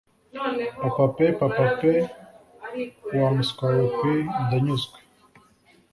Papa pe papa pe wa muswa we pe ndanyuzwe.